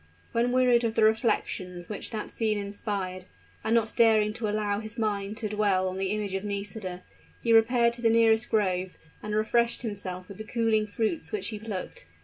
When wearied of the reflections which that scene inspired, and not daring to allow his mind to dwell upon the image of Nisida, he repaired to the nearest grove and refreshed himself with the cooling fruits which he plucked.